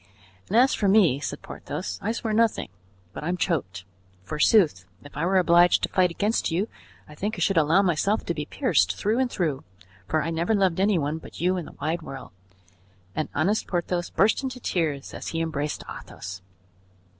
"And as for me," said Porthos, "I swear nothing, but I'm choked. Forsooth! If I were obliged to fight against you, I think I should allow myself to be pierced through and through, for I never loved any one but you in the wide world;" and honest Porthos burst into tears as he embraced Athos.